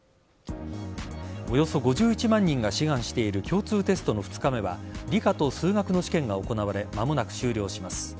およそ５１万人が志願している共通テストの２日目は理科と数学の試験が行われ間もなく終了します。